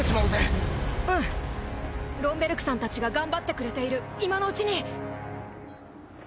うんロン・ベルクさんたちが頑張ってくれている今のうちに。